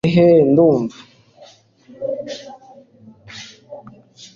kellia nawe ati eheeeh ndumva